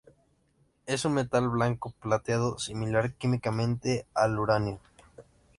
Es un metal blanco plateado, similar químicamente al uranio.